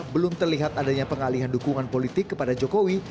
belum terlihat adanya pengalihan dukungan politik kepada jokowi